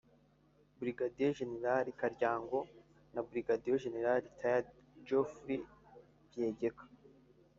Brg Gn Kalyango na Brg Gen (rtd) Geofrew Byegeka